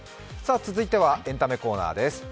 続いてはエンタメコーナーです。